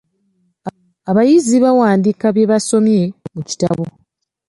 Abayizi bawandiika bye basomye mu bitabo.